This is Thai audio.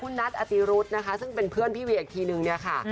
คุณนัทอติรุธนะคะซึ่งเป็นเพื่อนพี่เวียอีกทีนึงเนี่ยค่ะ